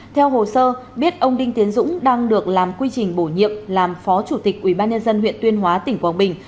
theo hồ sơ biết ông đinh tiến dũng đang được làm quy trình bổ nhiệm làm phó chủ tịch ubnd huyện tuyên hóa tỉnh quảng bình